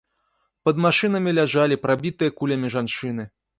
Пад машынамі ляжалі прабітыя кулямі жанчыны.